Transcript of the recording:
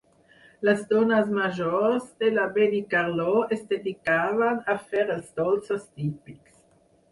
Les dones majors de la Benicarló es dedicaven a fer els dolços típics.